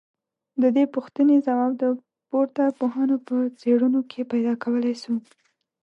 ددې پوښتني ځواب د پورته پوهانو په څېړنو کي پيدا کولای سو